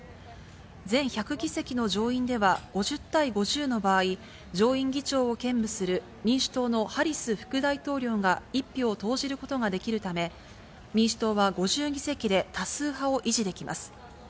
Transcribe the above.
全１００議席の上院では５０対５０の場合、上院議長を兼務する民主党のハリス副大統領が１票を投じることができるため、民主党は５０議席で多数派を維持できます。